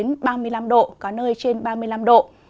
nam bộ thì có nắng nóng cục bộ có nơi trên ba mươi năm độ